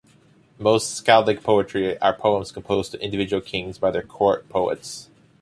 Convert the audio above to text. Most skaldic poetry are poems composed to individual kings by their court poets.